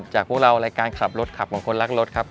พวกเรารายการขับรถขับของคนรักรถครับ